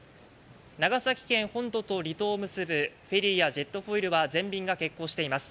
長崎県本土と離島を結ぶフェリーやジェットホイルは全便が欠航しています。